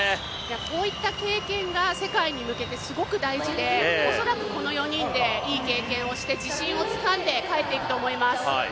こういった経験が世界に向けてすごく大事で、恐らくこの４人でいい経験をして自信をつかんで帰っていくと思います。